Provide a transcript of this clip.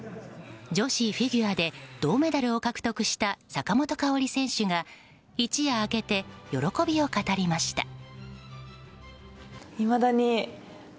女子フィギュアで銅メダルを獲得した坂本花織選手が一夜明けて喜びを語りました。